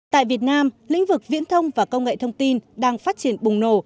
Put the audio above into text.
tại việt nam lĩnh vực viễn thông và công nghệ thông tin đang phát triển bùng nổ